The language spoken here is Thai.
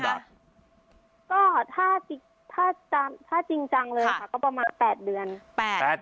ก็ถ้าจริงจังเลยค่ะก็ประมาณ๘เดือน